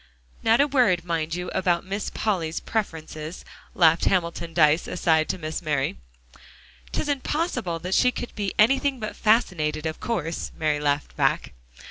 "Not a word, mind you, about Miss Polly's preferences," laughed Hamilton Dyce aside to Miss Mary. "'Tisn't possible that she could be anything but fascinated, of course," Mary laughed back.